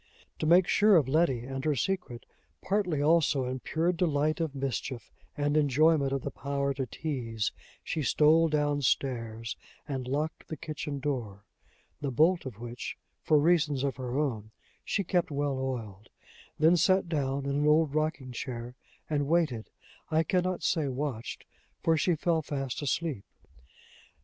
To make sure of Letty and her secret, partly also in pure delight of mischief, and enjoyment of the power to tease, she stole down stairs, and locked the kitchen door the bolt of which, for reasons of her own, she kept well oiled; then sat down in an old rocking chair, and waited I can not say watched, for she fell fast asleep.